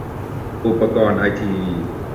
อุปกรณ์ไอที